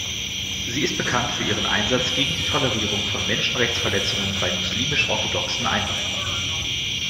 Sie ist bekannt für ihren Einsatz gegen die Tolerierung von Menschenrechtsverletzungen bei muslimisch-orthodoxen Einwanderern.